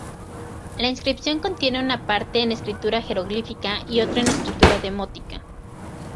La inscripción contiene una parte en escritura jeroglífica y otra en escritura demótica.